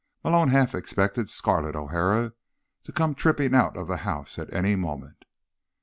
Malone half expected Scarlett O'Hara to come tripping out of the house at any moment.